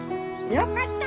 よかった！